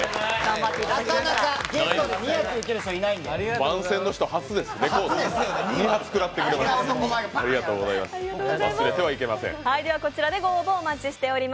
なかなかゲストで２発受ける人いない。